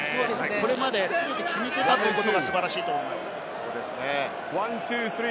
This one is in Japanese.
これまで全て決めていたというのが素晴らしいと思います。